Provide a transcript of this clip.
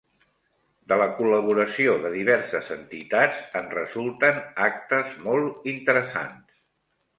De la col·laboració de diverses entitats en resulten actes molt interessants.